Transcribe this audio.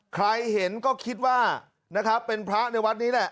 ใครเห็นก็คิดว่านะครับเป็นพระในวัดนี้แหละ